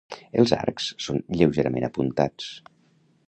Els arcs són lleugerament apuntats.